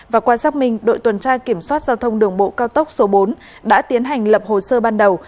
và qua xác minh đội tuần tra kiểm soát giao thông đường bộ cao tốc số bốn đã tiến hành lập hồ sơ ban đầu